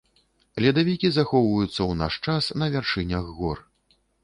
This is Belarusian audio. Ледавікі захоўваюцца ў наш час на вяршынях гор.